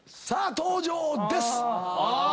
さあ登場です！